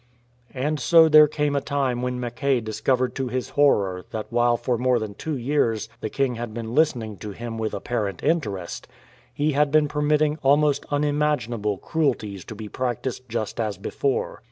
And so there came a time when Mackay discovered to his horror that while for more than two years the king had been listening to him with apparent interest, he had been permitting almost unimaginable cruelties to be practised just as before.